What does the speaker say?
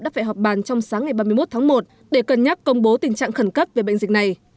đã phải họp bàn trong sáng ngày ba mươi một tháng một để cân nhắc công bố tình trạng khẩn cấp về bệnh dịch này